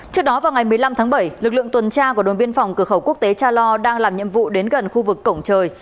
trước đó vào ngày một mươi năm tháng bảy lực lượng tuần tra của đồn biên phòng cửa khẩu quốc tế cha lo đang làm nhiệm vụ đến gần khu vực cổng trời